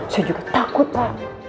saya juga takut pak